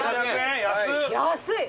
安い。